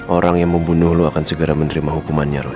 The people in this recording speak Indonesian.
orang yang membunuh lo akan segera menerima hukuman nya roy